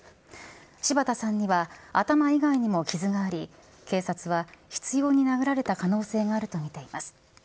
柴田さんには、頭以外にも傷があり、警察は執ように殴られた可能性があると見ています。